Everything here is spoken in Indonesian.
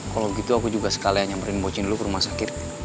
kalau gitu aku juga sekalian nyamperin bocin dulu ke rumah sakit